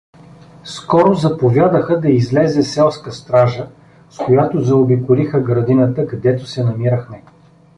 Скоро заповядаха да излезе селска стража, с която заобиколиха градината, гдето се намирахме.